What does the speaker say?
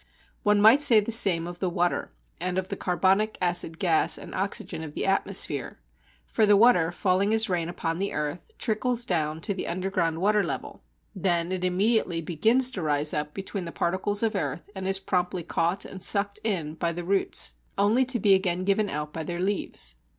One might say the same of the water, and of the carbonic acid gas and oxygen of the atmosphere, for the water, falling as rain upon the earth, trickles down to the underground water level. Then it immediately begins to rise up between the particles of earth and is promptly caught and sucked in by the roots, only to be again given out by their leaves.